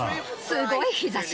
すごい日ざし。